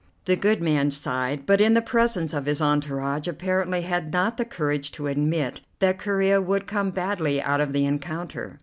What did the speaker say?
The good man sighed, but in the presence of his entourage apparently had not the courage to admit that Corea would come badly out of the encounter.